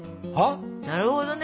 なるほどね！